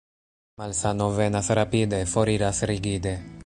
Malsano venas rapide, foriras rigide.